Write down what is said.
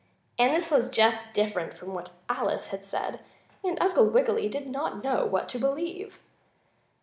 As this was just different from what Alice had said, Uncle Wiggily did not know what to believe.